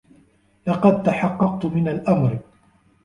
لقد تحققت من الامر